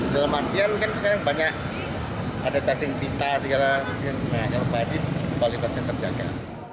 dalam artian kan sekarang banyak ada cacing pita segala yang baik baik saja kualitasnya terjaga